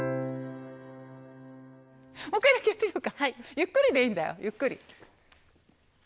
ゆっくりでいいんだよ。ゆっくり。